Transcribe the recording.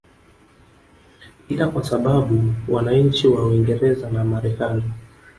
ila kwa sababu wananchi wa Uingereza na Marekani